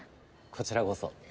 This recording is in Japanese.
こちらこそ。